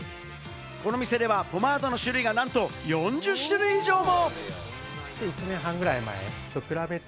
このお店ではポマードの種類がなんと４０種類以上も！